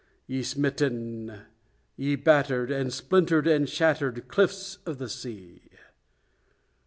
Ye smitten ye battered, And splintered and shattered Cliffs of the Sea!